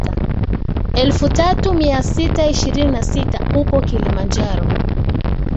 elfu tatu mia sita ishirini na sita upo Kilimanjaro